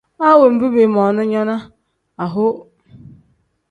A wenbi biimoona nya ne aho.